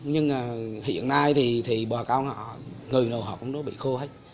nhưng hiện nay thì bà cao họ người nào họ cũng nó bị khô hết